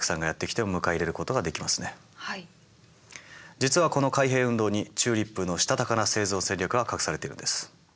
実はこの開閉運動にチューリップのしたたかな生存戦略が隠されてるんです。